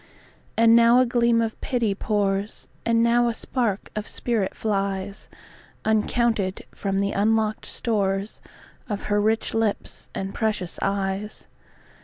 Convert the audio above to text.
And now a gleam of pity pours, And now a spark of spirit flies, Uncounted, from the unlock'd storesOf her rich lips and precious eyes.